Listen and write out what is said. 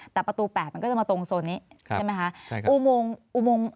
แต่ประตูแปดมันก็จะมาตรงโซนนี้ใช่ไหมฮะใช่ครับอุโมงอุโมง